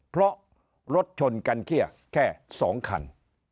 เพราะรถชนกันเขี้ยแค่๒คัน